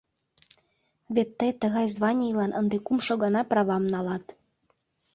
Вет тый тыгай званийлан ынде кумшо гана правам налат.